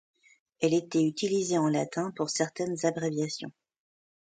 Elle était utilisée en latin pour certaines abréviations.